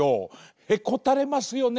へこたれますよね